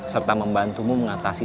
serta membantumu mengatasi